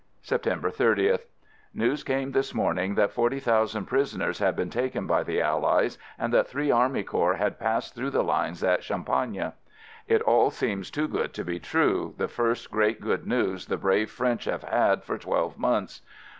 September 30th. News came this morning that 40,000 prisoners had been taken by the Allies and that three army corps had passed through the lines at Champagne. It all seems too good to be true, the first great good news the brave French have had for twelve months.